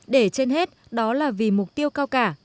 để trên hết đó là vì mục tiêu cao cả